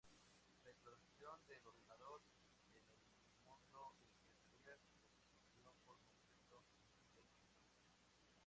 La introducción del ordenador en el mundo empresarial revolucionó por completo el sector.